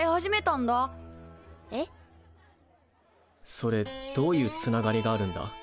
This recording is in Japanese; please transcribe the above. それどういうつながりがあるんだ？